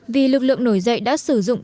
vì lực lượng nổi dậy đã sử dụng